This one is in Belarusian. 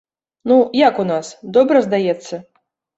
Ну, як у нас, добра, здаецца?